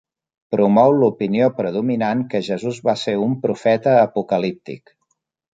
Promou l'opinió predominant que Jesús va ser un profeta apocalíptic.